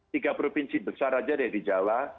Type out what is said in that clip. tiga provinsi besar aja deh di jawa